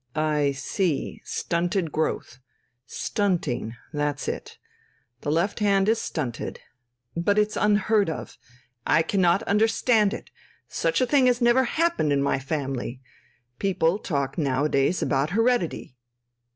"I see, stunted growth. Stunting. That's it. The left hand is stunted. But it's unheard of! I cannot understand it! Such a thing has never happened in my family! People talk nowadays about heredity."